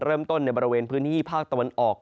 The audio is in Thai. เริ่มต้นในบริเวณพื้นที่ภาคตะวันออก